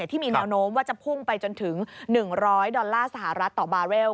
ที่มีแนวโน้มว่าจะพุ่งไปจนถึง๑๐๐ดอลลาร์สหรัฐต่อบาร์เรล